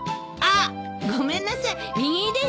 あっごめんなさい。